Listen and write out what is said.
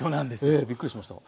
ええびっくりしました。